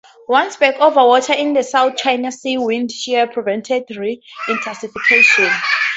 Once back over water in the South China Sea, wind shear prevented re-intensifcation.